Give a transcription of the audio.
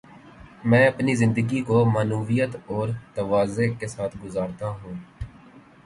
میں اپنی زندگی کو معنویت اور تواضع کے ساتھ گزارتا ہوں۔